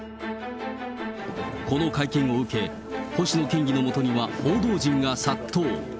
この会見を受け、星野県議の元には報道陣が殺到。